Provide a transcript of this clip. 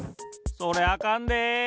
それあかんで！